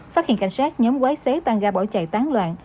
phát hiện cảnh sát nhóm quái xế tăng ga bỏ chạy tán loạn